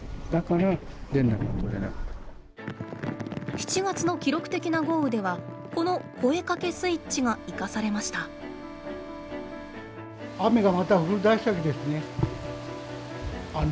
７月の記録的な豪雨ではこの「声かけスイッチ」が生かされました。